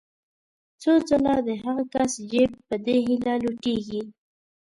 څو ځله د هغه کس جېب په دې هیله لوټېږي.